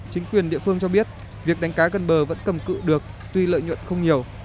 chính quyền địa phương cho biết việc đánh cá gần bờ vẫn cầm cự được tuy lợi nhuận không nhiều